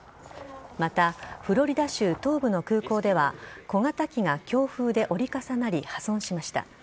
また、フロリダ州東部の空港では小型機が強風で折り重なり破損しました。